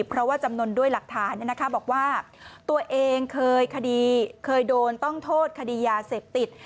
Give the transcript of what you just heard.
เพราะว่าจำนวนด้วยหลักฐานบอกว่าตัวเองเคยคดีเคยโดนต้องโทษคดียาเสพติด